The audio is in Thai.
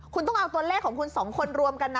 คุณต้องเอาตัวเลขของคุณสองคนรวมกันนะ